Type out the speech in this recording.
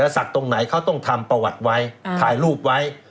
ศักดิ์ตรงไหนเขาต้องทำประวัติไว้ถ่ายรูปไว้